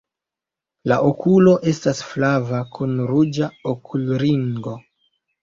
La okulo estas flava kun ruĝa okulringo.